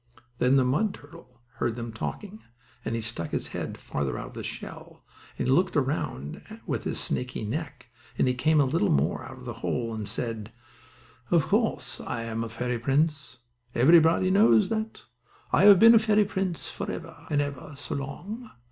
Then the mud turtle heard them talking, and he stuck his head farther out of the shell, and he looked around with his snaky neck, and he came a little more out of the hole, and said: "Of course I am the fairy prince. Everybody knows that. I've been a fairy prince for ever and ever so long."